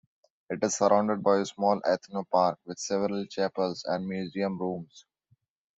It is surrounded by a small ethno-park with several chapels and museum rooms.